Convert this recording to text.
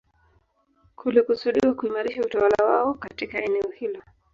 Kulikusudiwa kuimarisha utawala wao katika eneo hilo